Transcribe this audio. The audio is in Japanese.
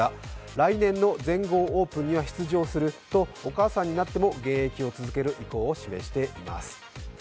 来年の全豪オープンには出場すると、お母さんになっても現役を続ける意向を示しています。